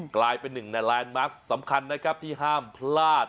กลายเป็นหนึ่งในแลนด์มาร์คสำคัญนะครับที่ห้ามพลาด